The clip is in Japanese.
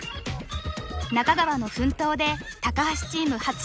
中川の奮闘で高橋チーム初勝利。